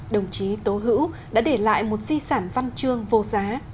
đồng chí tố hữu đã để lại một di sản văn chương vô giá